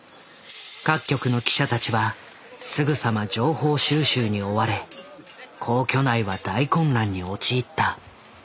各局の記者たちはすぐさま情報収集に追われ皇居内は大混乱に陥った。